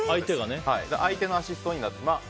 相手のアシストになってしまう。